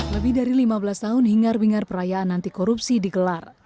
lebih dari lima belas tahun hingar bingar perayaan antikorupsi dikelar